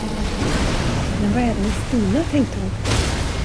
Men vad är det med Stina, tänkte hon.